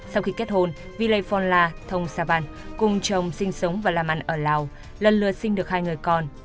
sau khi kết hôn villei phonla thong savan cùng chồng sinh sống và làm ăn ở lào lần lượt sinh được hai người con